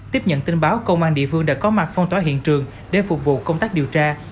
tiếp nhận tin báo công an địa phương đã có mặt phong tỏa hiện trường để phục vụ công tác điều tra